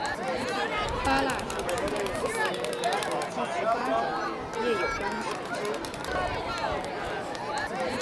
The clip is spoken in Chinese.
八蜡是古代中国人民所祭祀八种与农业有关的神只。